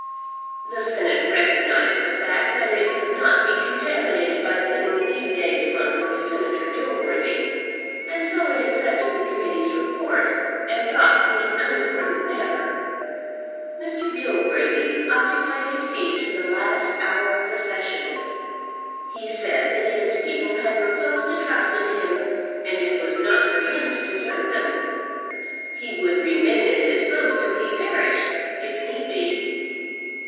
] The Senate recognized the fact that it could not be contaminated by sitting a few days longer with Senator Dilworthy, and so it accepted the committee's report and dropped the unimportant matter. Mr. Dilworthy occupied his seat to the last hour of the session. He said that his people had reposed a trust in him, and it was not for him to desert them. He would remain at his post till he perished, if need be.